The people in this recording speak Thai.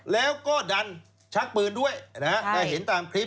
แล้วก็ดันชักปืนด้วยนะฮะถ้าเห็นตามคลิป